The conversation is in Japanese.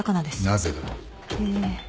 なぜだ？え。